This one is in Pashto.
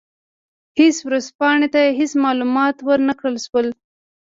هېڅ ورځپاڼې ته هېڅ معلومات ور نه کړل شول.